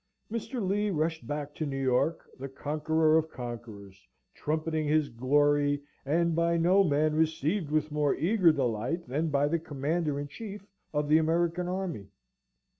Mr. Lee rushed back to New York, the conqueror of conquerors, trumpeting his glory, and by no man received with more eager delight than by the Commander in Chief of the American Army.